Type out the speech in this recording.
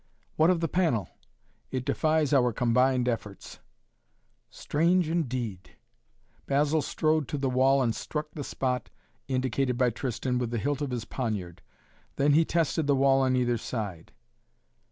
"What of the panel?" "It defies our combined efforts." "Strange, indeed." Basil strode to the wall and struck the spot indicated by Tristan with the hilt of his poniard. Then he tested the wall on either side.